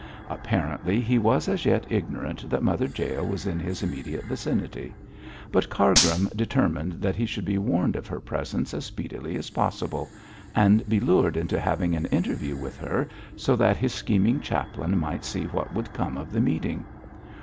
Apparently he was as yet ignorant that Mother Jael was in his immediate vicinity; but Cargrim determined that he should be warned of her presence as speedily as possible, and be lured into having an interview with her so that his scheming chaplain might see what would come of the meeting.